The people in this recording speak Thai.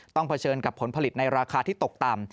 เผชิญกับผลผลิตในราคาที่ตกต่ำ